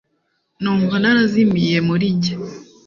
numva narazimiye muri njye